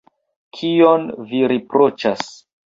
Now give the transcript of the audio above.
Kion vi riproĉas?